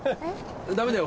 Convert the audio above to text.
ダメだよ